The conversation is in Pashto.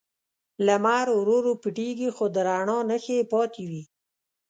لمر ورو ورو پټیږي، خو د رڼا نښې یې پاتې وي.